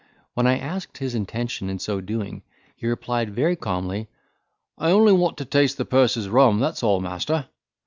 When I asked his intention in so doing, he replied, very calmly, "I only want to taste the purser's rum, that's all, master."